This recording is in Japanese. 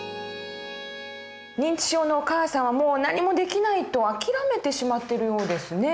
認知症のお母さんをもう何もできないと諦めてしまってるようですね。